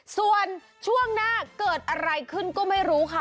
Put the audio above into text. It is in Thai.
ส่วนช่วงหน้าเกิดอะไรขึ้นก็ไม่รู้ค่ะ